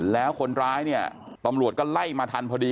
แล้วคนร้ายเนี่ยตำรวจก็ไล่มาทันพอดี